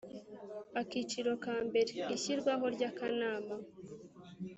Akiciro ka mbere Ishyirwaho ry Akanama